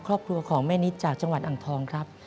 ครอบครัวของแม่นิดจากจังหวัดอ่างทองครับ